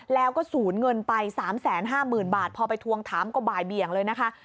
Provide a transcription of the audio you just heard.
แล้วก็สูญเงินไป๓๕๐๐๐บาทพอไปทวงถามก็บ่ายเบี่ยงเลยนะคะ